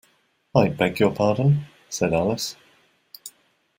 ‘I beg your pardon?’ said Alice.